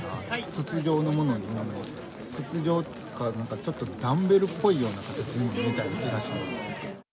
筒状のもの、筒状っていうか、ちょっとダンベルっぽいような形のを見た気がします。